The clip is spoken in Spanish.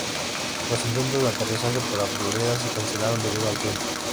Los intentos de aterrizaje para Florida se cancelaron debido al tiempo.